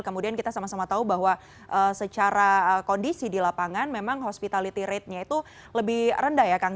kemudian kita sama sama tahu bahwa secara kondisi di lapangan memang hospitality ratenya itu lebih rendah ya kang